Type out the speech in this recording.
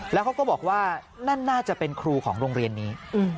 แล้วเขาก็บอกว่านั่นน่าจะเป็นครูของโรงเรียนนี้